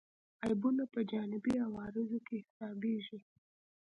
عیبونه په جانبي عوارضو کې حسابېږي.